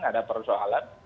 gak ada persoalan